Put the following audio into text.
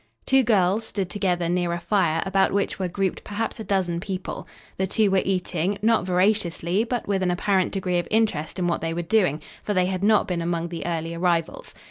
Two girls stood together near a fire about which were grouped perhaps a dozen people. The two were eating, not voraciously, but with an apparent degree of interest in what they were doing, for they had not been among the early arrivals.